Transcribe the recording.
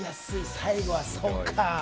最後はそうか。